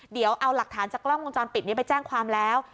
เดี๋ยวเอาหลักฐานจากกล้องวงจรปิดนี้ไปแจ้งความแล้ว